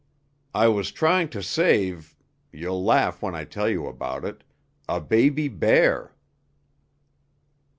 I was trying to save you'll laugh when I tell you about it a baby bear."